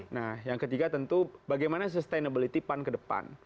nah yang ketiga tentu bagaimana sustainability pan ke depan